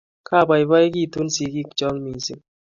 Kapaipait sigik chok missing'